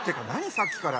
さっきから。